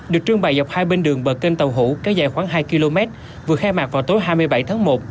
được trưng bày dọc hai bên đường bờ kênh tàu hủ kéo dài khoảng hai km vừa khai mạc vào tối hai mươi bảy tháng một